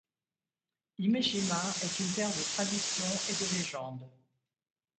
Himeshima est une terre de traditions et de légendes.